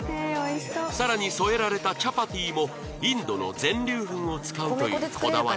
更に添えられたチャパティもインドの全粒粉を使うというこだわりっぷり